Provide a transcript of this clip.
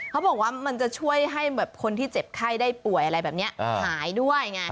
เขาบอกว่ามันจะช่วยให้คนที่เจ็บไข้ได้ป่วยอะไรแบบนี้หายด้วยไง